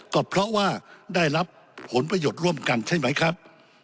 ก็เพราะว่าได้รับผลประโยชน์ร่วมกันใช่ไหมครับ